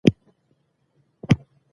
وسله بېګناه خلک وژلي